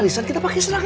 pengajian pakai seragam